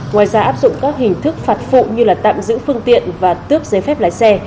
ngoài ra áp dụng các hình thức phạt phụ như tạm giữ phương tiện và tước giấy phép lái xe